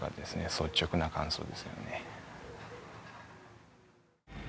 率直な感想ですよね。